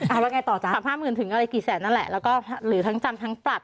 เอาแล้วไงต่อจ้สามห้าหมื่นถึงอะไรกี่แสนนั่นแหละแล้วก็หรือทั้งจำทั้งปรับ